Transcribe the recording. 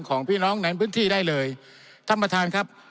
ของพี่น้องในพื้นที่ได้เลยท่านประธานครับ